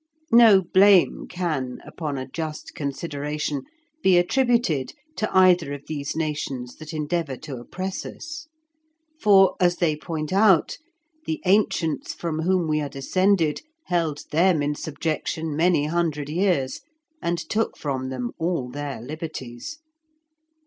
No blame can, upon a just consideration, be attributed to either of these nations that endeavour to oppress us. For, as they point out, the ancients from whom we are descended held them in subjection many hundred years, and took from them all their liberties.